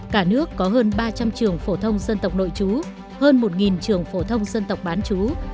cả nước có hơn ba trăm linh trường phổ thông dân tộc nội chú hơn một trường phổ thông dân tộc bán chú